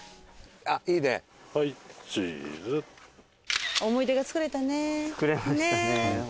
あっいいね。